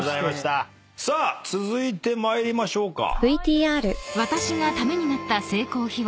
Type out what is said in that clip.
さあ続いて参りましょうか。